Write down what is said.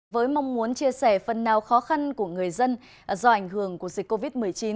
với mong muốn chia sẻ phần nào khó khăn của người dân do ảnh hưởng của dịch covid một mươi chín